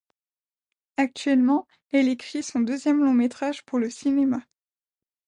Actuellement, elle écrit son deuxième long métrage pour le cinéma.